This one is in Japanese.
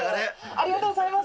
ありがとうございます。